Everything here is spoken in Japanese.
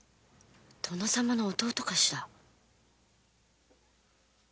殿様の弟かしら？